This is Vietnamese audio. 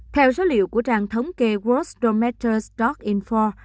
theo số liệu của trang thống kê world dormitory stock info